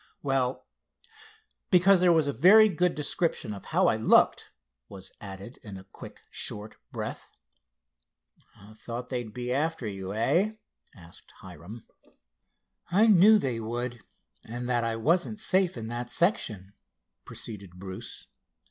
"Well, because there was a very good description of how I looked," was added in a quick short breath. "Thought they'd be after you, eh?" asked Hiram. "I knew they would and that I wasn't safe in that section," proceeded Bruce.